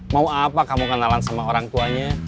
mau apa kamu kenalan sama orang tuanya